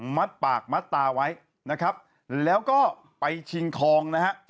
มัดปากมัดตาไว้นะครับแล้วก็ไปชิงทองนะฮะ